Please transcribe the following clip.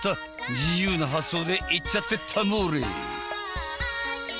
自由な発想でいっちゃってタモーレ！